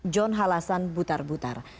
john halasan butar butar